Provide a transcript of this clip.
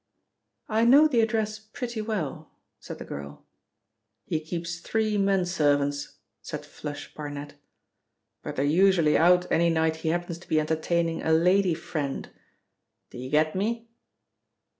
"I know the address pretty well," said the girl. "He keeps three menservants," said 'Flush' Barnet, "but they're usually out any night he happens to be entertaining a lady friend. Do you get me?"